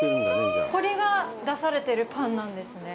これが出されてるパンなんですね。